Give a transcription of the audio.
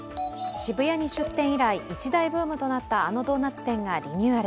渋谷に出店以来、一大ブームとなったあのドーナツ店がリニューアル。